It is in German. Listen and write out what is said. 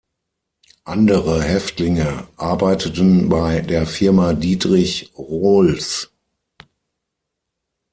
Andere Häftlinge arbeiteten bei der Firma Diedrich Rohlfs.